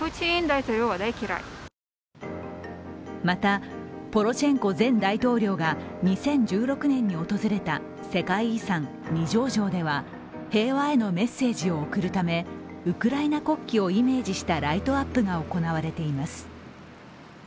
また、ポロシェンコ前大統領が２０１６年に訪れた世界遺産・二条城では平和へのメッセージを送るためウクライナ国旗をイメージしたライトアップが行われています。